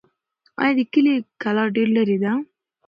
آیا د کلي کلا ډېر لرې ده؟